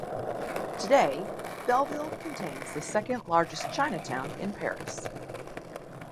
Today, Belleville contains the second-largest Chinatown in Paris.